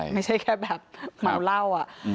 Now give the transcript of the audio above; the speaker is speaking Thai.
ไม่ใช่แค่แบบเมาเหล้าอะ